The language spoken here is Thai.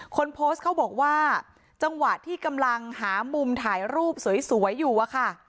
คนโพสต์เขาบอกว่าจังหวะที่กำลังหามุมถ่ายรูปสวยอยู่อะค่ะ